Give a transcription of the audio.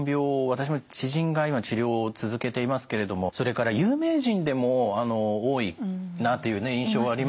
私の知人が今治療を続けていますけれどもそれから有名人でも多いなというね印象はありますけれども。